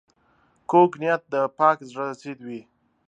کوږ نیت د پاک زړه ضد وي